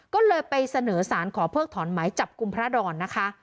ก็เลยไปเสนอสารขอเพิกถอนหมายจับกลุ่มพระดอนนะคะ